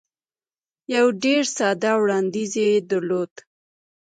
یو ډېر ساده وړاندیز یې درلود.